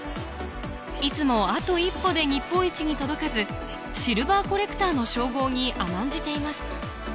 いつもあと一歩で日本一に届かずシルバーコレクターの称号に甘んじています